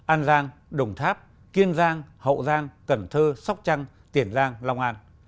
an giang đồng tháp kiên giang hậu giang cần thơ sóc trăng tiền giang long an